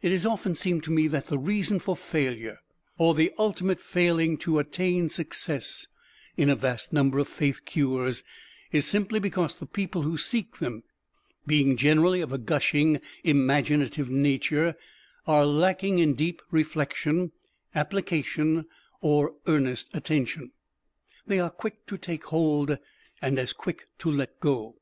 It has often seemed to me that the reason for failure, or the ultimate failing to attain success, in a vast number of "Faith cures," is simply because the people who seek them, being generally of a gushing, imaginative nature, are lacking in deep reflection, application, or earnest attention. They are quick to take hold, and as quick to let go.